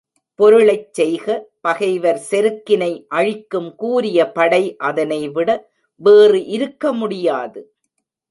பொருளைச் செய்க, பகைவர் செருக்கினை அழிக்கும் கூரிய படை அதனைவிட வேறு இருக்க முடியாது.